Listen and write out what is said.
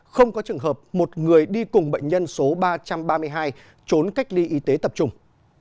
không có trường hợp một người đi cùng bệnh nhân số ba trăm ba mươi hai trốn cách ly y tế tập trung